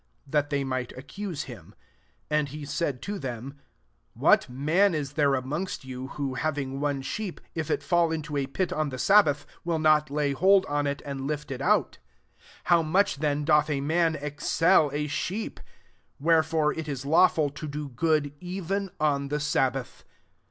that they might accuse him. 11 And he said to them, •* What man is there, amongst you, who having one sheep, if it fall into a pit on the sabbath, will not lay hold on it, and lift it out ? 12 How much then doth a man excel a sheep ! Wherefore it is lawful to do good even on the sabbath."